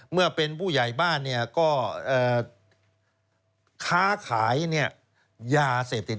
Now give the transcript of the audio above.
เมื่อเป็นผู้ใหญ่บ้านเนี่ยก็ค้าขายเนี่ยยาเสพติด